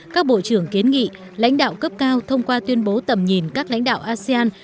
các bộ trưởng kiến nghị lãnh đạo cấp cao thông qua tuyên bố tầm nhìn các lãnh đạo asean